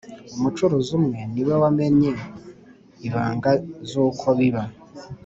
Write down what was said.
Umucuruzi umwe niwe wamennye ibanga zuko biba